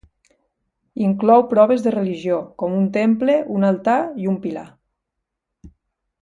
Inclou proves de religió, como un temple, un altar i un pilar.